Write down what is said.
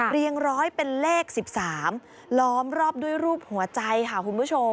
เรียงร้อยเป็นเลข๑๓ล้อมรอบด้วยรูปหัวใจค่ะคุณผู้ชม